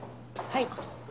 はい。